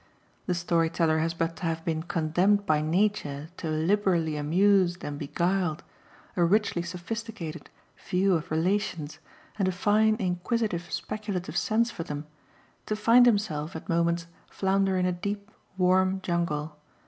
The storyteller has but to have been condemned by nature to a liberally amused and beguiled, a richly sophisticated, view of relations and a fine inquisitive speculative sense for them, to find himself at moments flounder in a deep warm jungle.